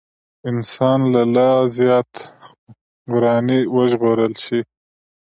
انسان له لا زيات وراني وژغورل شي.